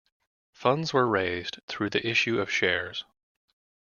Funds were raised through the issue of shares.